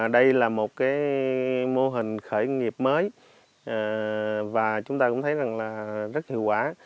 đây là một mô hình khởi nghiệp mới và chúng ta cũng thấy rất hiệu quả